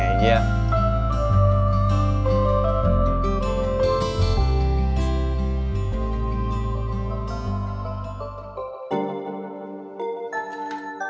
awas ya lustro